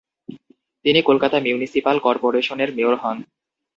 তিনি কলকাতা মিউনিসিপাল কর্পোরেশনের মেয়র হন।